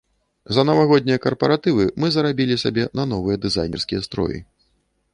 За навагоднія карпаратывы мы зарабілі сабе на новыя дызайнерскія строі.